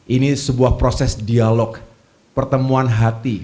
ini sebuah proses dialog pertemuan hati